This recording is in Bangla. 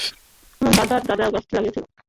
আমার দাদার দাদা গাছটা লাগিয়েছিল।